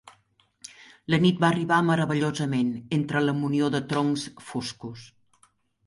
La nit hi va arribar meravellosament, entre la munió de troncs foscos.